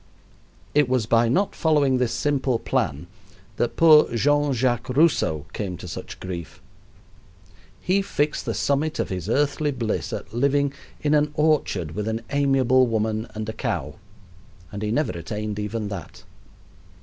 It was by not following this simple plan that poor Jean Jacques Rousseau came to such grief. He fixed the summit of his earthly bliss at living in an orchard with an amiable woman and a cow, and he never attained even that.